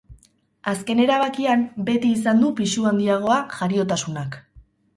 Azken erabakian, beti izan du pisu handiagoa jariotasunak.